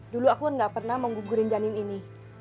dulu aku tidak pernah menggugurkan janin ini